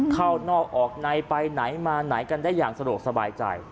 เข้านอกออกในไปไหนมาไหนกันได้อย่างสะดวกสบายใจ